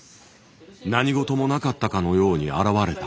何事もなかったかのように現れた。